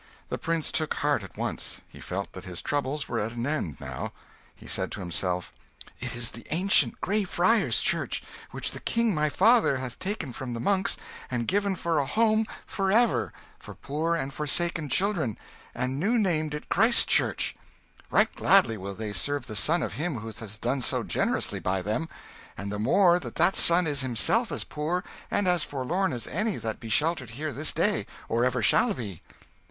The prince took heart at once he felt that his troubles were at an end, now. He said to himself, "It is the ancient Grey Friars' Church, which the king my father hath taken from the monks and given for a home for ever for poor and forsaken children, and new named it Christ's Church. Right gladly will they serve the son of him who hath done so generously by them and the more that that son is himself as poor and as forlorn as any that be sheltered here this day, or ever shall be."